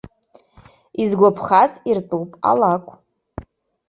Изгәаԥхаз иртәуп алакә.